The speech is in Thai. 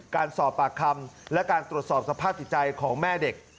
การสอบปากคำและการตรวจสอบสภาพจิตใจของแม่เด็ก